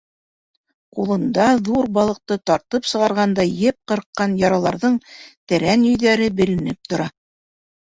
Ҡулында ҙур балыҡты тартып сығарғанда еп ҡырҡҡан яраларҙың тәрән йөйҙәре беленеп тора.